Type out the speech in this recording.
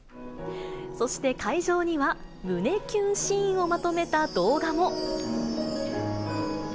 そして会場には、胸キュンシーンをまとめた動画も。